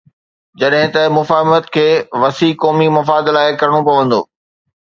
جڏهن ته مفاهمت کي وسيع قومي مفاد لاءِ ڪرڻو پوندو.